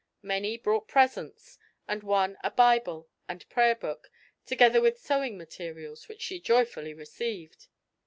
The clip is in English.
Many brought presents, and one a Bible and Prayer Book, together with sewing materials, which she joyfully received.